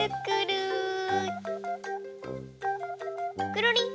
くるりん。